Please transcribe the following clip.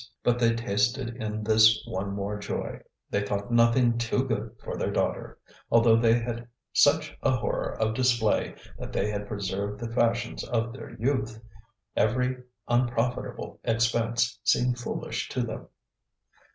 But they tasted in this one more joy; they thought nothing too good for their daughter, although they had such a horror of display that they had preserved the fashions of their youth. Every unprofitable expense seemed foolish to them.